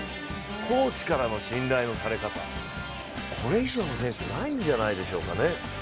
コーチからの信頼のされ方、これ以上の選手はないんじゃないでしょうかね。